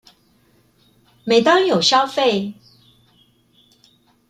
每當有消費